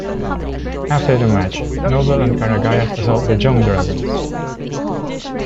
After the match, Knoble and Karagias assault the Jung Dragons.